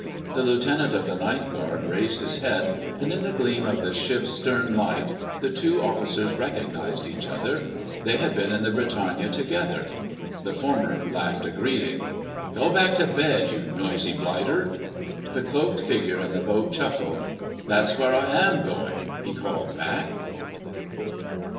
The Lieutenant of the Night Guard raised his head, and in the gleam of the ship's stern light the two officers recognised each other. They had been in the Britannia, together. The former laughed a greeting. "Go back to bed, you noisy blighter!" The cloaked figure in the boat chuckled. "That's where I am going," he called back.